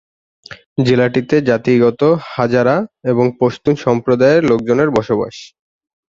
জেলাটিতে জাতিগত হাজারা এবং পশতুন সম্প্রদায়ের লোকজনের বসবাস।